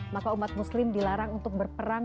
maka umat muslim dilarang untuk berperang